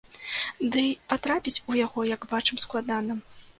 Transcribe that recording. Дый патрапіць у яго, як бачым, складана.